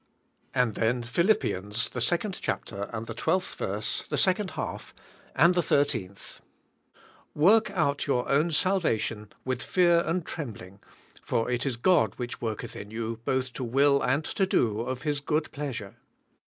And then Phil ippians, the second chapter and the twelfth verse, the second half, and the thirteenth: "Work out your own salvation with fear and trembling, for it is God which worketh in you, both to will and to do of His good pleasure.